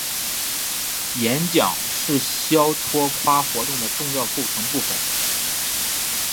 演讲是肖托夸活动的重要构成部分。